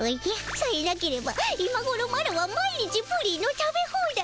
さえなければ今ごろマロは毎日プリンの食べ放題。